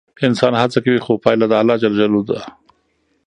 انسان هڅه کوي خو پایله د الله ده.